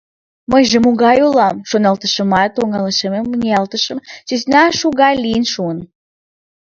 «Мыйже могай улам?» — шоналтышымат, оҥылашемым ниялтышым: сӧсна шу гай лийын шуын.